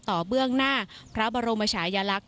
เบื้องหน้าพระบรมชายลักษณ